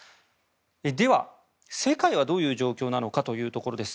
では、世界はどういう状況なのかというところです。